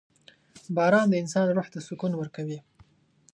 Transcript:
• باران د انسان روح ته سکون ورکوي.